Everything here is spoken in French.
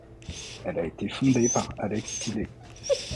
Elle a été fondée par Alex Tilley.